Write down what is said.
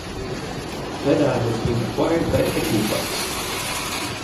Veda has been acquired by Equifax.